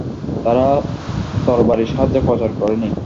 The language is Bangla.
তারা তরবারির সাহায্যে প্রচার করেনি।